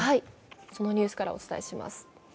そのニュースからお伝えします。